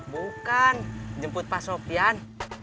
bukan jemput pak sopyan